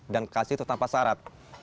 dan kasih itu tanpa syarat